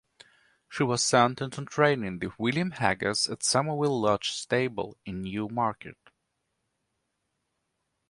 She was sent into training with William Haggas at Somerville Lodge stable in Newmarket.